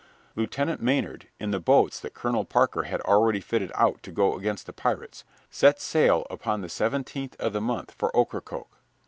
Lieutenant Maynard, in the boats that Colonel Parker had already fitted out to go against the pirates, set sail upon the seventeenth of the month for Ocracoke.